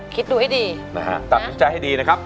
คิดดูให้ดีตามจริงใจให้ดี